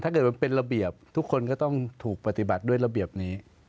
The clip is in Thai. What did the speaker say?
ถ้าเกิดมันเป็นระเบียบทุกคนก็ต้องถูกปฏิบัติด้วยระเบียบนี้